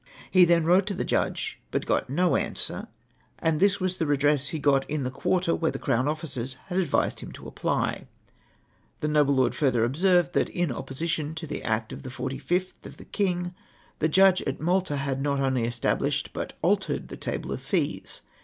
He then wrote to tlie Judge but got no answer, and this was the redress he got in MOTIOX AGREED TO, 195 the qii^irter where tlie crown law officers liad advised him to apply. The nohle lord further observed, that in oppositiion to the act of the 45th of the King, the Judge at I\Ialta had not only estal)lished hut altered the table of fees.